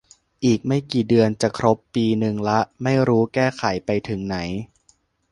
อีกไม่กี่เดือนจะครบปีนึงละ ไม่รู้แก้ไขไปถึงไหน